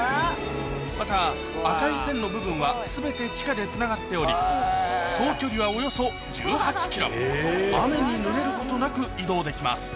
また赤い線の部分は全て地下でつながっており総距離は雨にぬれることなく移動できます